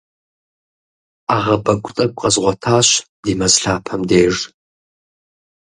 Ӏэгъэбэгу тӏэкӏу къэзгъуэтащ ди мэз лъапэм деж.